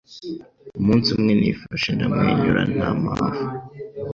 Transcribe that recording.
Umunsi umwe nifashe ndamwenyura nta mpamvu